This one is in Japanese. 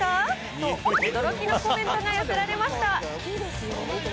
と、驚きのコメントが寄せられました。